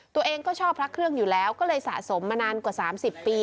ตัวเองก็ชอบพระเครื่องอยู่แล้วก็เลยสะสมมานานกว่า๓๐ปี